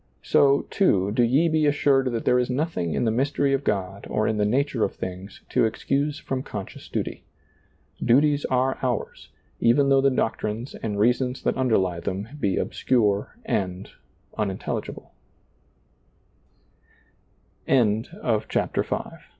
So, too, do ye be assured that there is nothing in the mystery of God or in the nature of things to excuse from conscious duty. Duties are ours, even though the doctrines and reasons that underlie them be obs